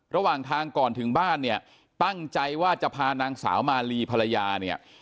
ระหว่างทางก่อนถึงบ้านเนี่ยตั้งใจว่าจะพานางสาวมาลีภรรยาเนี่ย